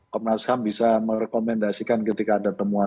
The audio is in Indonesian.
komnas ham bisa merekomendasikan ketika ada temuan